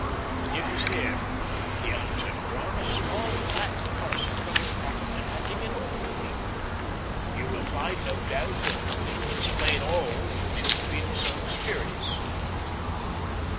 "It is here," he answered, drawing a small, flat parcel from his pocket and handing it over to me, "you will find, no doubt, that it will explain all which has been so mysterious."